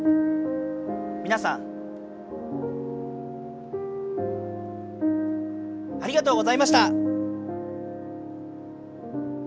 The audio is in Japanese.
みなさんありがとうございました。